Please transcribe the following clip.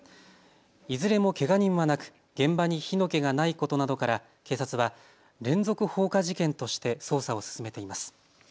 いずれもけが人はなく現場に火の気がないことなどから警察は連続放火事件として捜査を進めています。